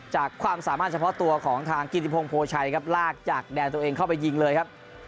ความสามารถเฉพาะตัวของทางกิติพงศ์ชัยครับลากจากแดนตัวเองเข้าไปยิงเลยครับ